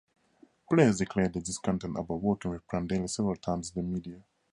Players declared their discontent about working with Prandelli several times in the media.